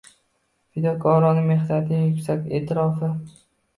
Fidokorona mehnatning yuksak eʼtirofi